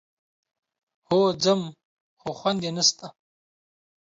هو ځم، خو خوند يې نشته.